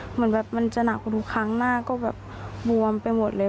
เหมือนแบบมันจะหนักกว่าทุกครั้งหน้าก็แบบบวมไปหมดเลย